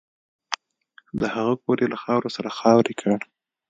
د هغه کور یې له خاورو سره خاورې کړ